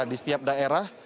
di setiap daerah